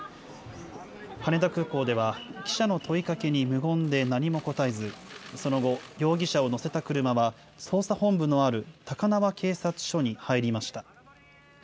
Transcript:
羽田空港では、記者の問いかけに無言で何も応えず、その後、容疑者を乗せた車は、捜査本部のある高輪警察署に入りました。